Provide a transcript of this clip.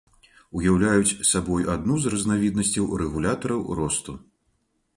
Уяўляюць сабой адну з разнавіднасцяў рэгулятараў росту.